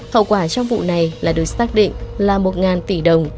hậu quả trong vụ này lại được xác định là một tỷ đồng